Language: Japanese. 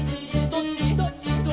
「どっち」